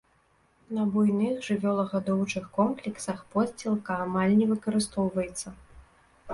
На буйных жывёлагадоўчых комплексах подсцілка амаль не выкарыстоўваецца.